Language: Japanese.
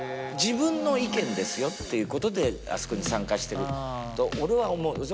自分の意見ですよっていうことであそこに参加してると俺は思う。